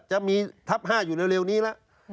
จะมีทับ๕อยู่เร็วนี้แล้ว